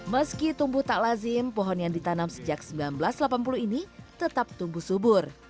meski tumbuh tak lazim pohon yang ditanam sejak seribu sembilan ratus delapan puluh ini tetap tumbuh subur